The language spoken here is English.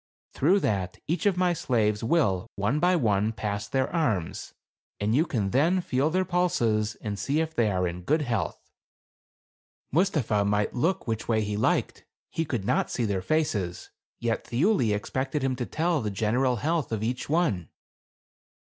through that each of my slaves will, one by one, pass their arms, and you can then feel their pulses and see if they are in good health." Mustapha might look which way he liked, he could not see their faces, yet Thiuli expected him to tell the general health of each one.